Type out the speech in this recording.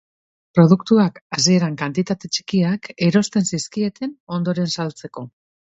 Produktuak, hasieran kantitate txikiak, erosten zizkieten, ondoren saltzeko.